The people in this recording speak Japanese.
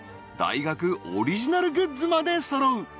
［大学オリジナルグッズまで揃う］